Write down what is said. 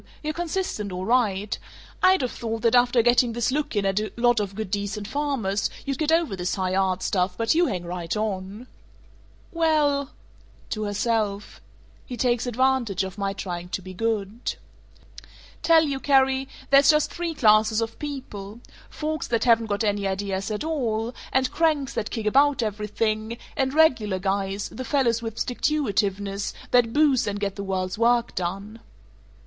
You're consistent, all right. I'd of thought that after getting this look in at a lot of good decent farmers, you'd get over this high art stuff, but you hang right on." "Well " To herself: "He takes advantage of my trying to be good." "Tell you, Carrie: There's just three classes of people: folks that haven't got any ideas at all; and cranks that kick about everything; and Regular Guys, the fellows with sticktuitiveness, that boost and get the world's work done."